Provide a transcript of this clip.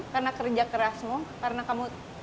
karena kerja kerasmu karena kamu